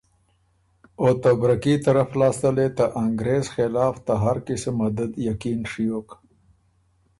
او ته برکي طرف لاسته لې ته انګرېز خلاف ته هر قِسُم مدد یقین ڒیوک۔